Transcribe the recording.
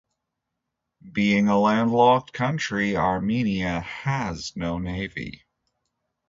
Being a landlocked country, Armenia has no navy.